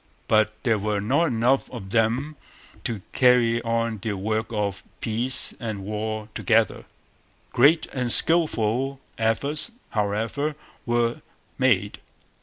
But there were not enough of them to carry on the work of peace and war together. Great and skilful efforts, however, were made.